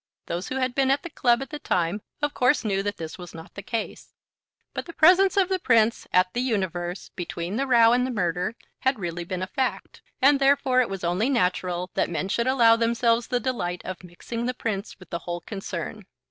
Those who had been at the club at the time of course knew that this was not the case; but the presence of the Prince at The Universe between the row and the murder had really been a fact, and therefore it was only natural that men should allow themselves the delight of mixing the Prince with the whole concern.